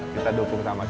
kita dukung sama sama